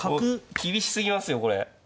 厳しすぎますよこれ。